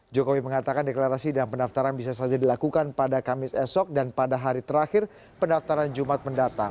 jokowi mengatakan deklarasi dan pendaftaran bisa saja dilakukan pada kamis esok dan pada hari terakhir pendaftaran jumat mendatang